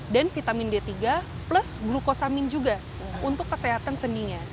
dan vitamin d tiga plus glukosamin juga untuk kesehatan sendinya